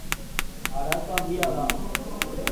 Arazo handia da.